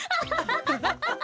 ハハハハハ！